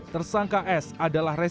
tersangka s adalah residensi